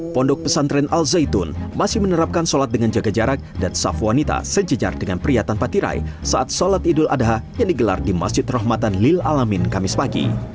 pondok pesantren al zaitun masih menerapkan sholat dengan jaga jarak dan safwanita sejejar dengan pria tanpa tirai saat sholat idul adha yang digelar di masjid rahmatan ⁇ lilalamin ⁇ kamis pagi